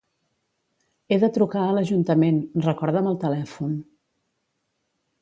He de trucar a l'Ajuntament, recorda'm el telèfon.